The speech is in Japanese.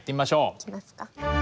行きますか。